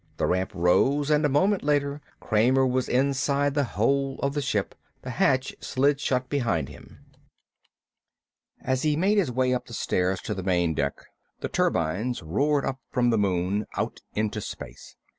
The ramp rose, and a moment later Kramer was inside the hold of the ship. The hatch slid shut behind him. As he made his way up the stairs to the main deck the turbines roared up from the moon, out into space.